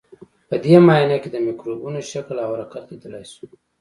په دې معاینه کې د مکروبونو شکل او حرکت لیدلای شو.